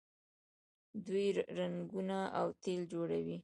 دوی رنګونه او تیل جوړوي.